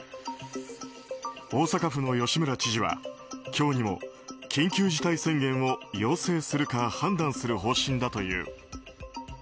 大阪府の吉村知事は、今日にも緊急事態宣言を要請するか判断する方針だという。